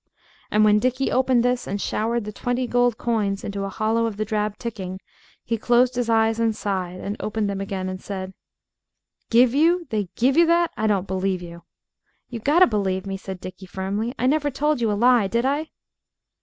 And when Dickie opened this and showered the twenty gold coins into a hollow of the drab ticking, he closed his eyes and sighed, and opened them again and said "Give you? They give you that. I don't believe you." "You got to believe me," said Dickie firmly. "I never told you a lie, did I?"